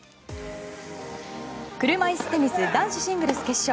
車いすテニス男子シングルス決勝